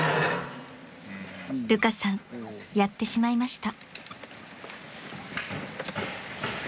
［ルカさんやってしまいました］